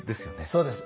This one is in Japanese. そうです。